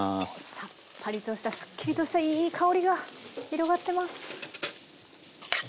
さっぱりとしたすっきりとしたいい香りが広がってます。